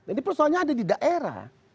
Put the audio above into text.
ini persoalannya ada di daerah